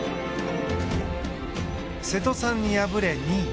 瀬戸さんに敗れ、２位。